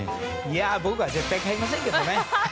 僕は絶対買いませんけどね。